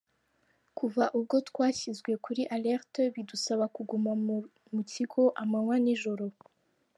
Kuva ubwo twashyizwe kuri alerte, bidusaba kuguma mu kigo amanywa n’ijoro.